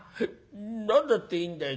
何だっていいんだよ。